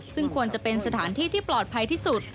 ซึ่งควรจะเป็นสถานที่ที่ปลอดภัยที่สุด